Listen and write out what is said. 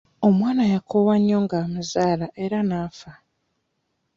Omwana yakoowa nnyo nga mmuzaala era n'afa.